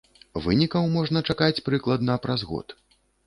Вынікаў можна чакаць прыкладна праз год.